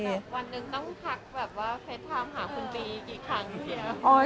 วันหนึ่งน้องคักแบบว่าเฟสไทม์หาคุณปีกี่ครั้งเดี๋ยว